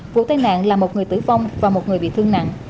vụ tai nạn là một người tử vong và một người bị thương nặng